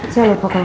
selamat ulang tahun